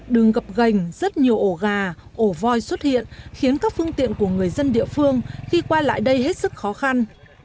đường gặp gành rất nhiều ổ gà ổ voi xuất hiện khiến các phương tiện của người dân địa phương khi qua lại đây hết sức khó khăn